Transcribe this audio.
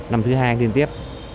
năm thứ hai tiến tiếp